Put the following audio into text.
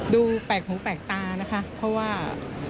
ดูแปลกหูแปลกตานะคะเพราะว่า